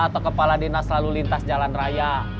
atau kepala dinas lalu lintas jalan raya